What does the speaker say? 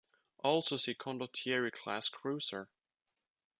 See also Condottieri class cruiser.